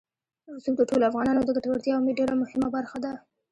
رسوب د ټولو افغانانو د ګټورتیا یوه ډېره مهمه برخه ده.